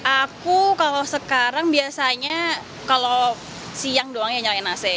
aku kalau sekarang biasanya kalau siang doangnya nyalain ac